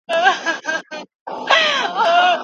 ایا نښې به زیاتې سي؟